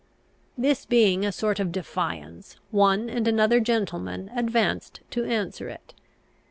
This being a sort of defiance, one and another gentleman advanced to answer it.